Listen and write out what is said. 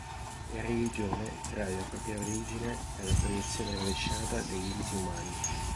La religione trae la propria origine dalla proiezione rovesciata dei limiti umani.